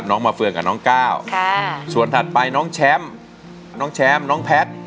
มาเฟืองกับน้องก้าวส่วนถัดไปน้องแชมป์น้องแชมป์น้องแพทย์